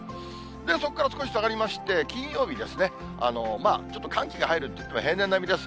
そこから少し下がりまして、金曜日ですね、まあちょっと、寒気が入るといっても平年並みです。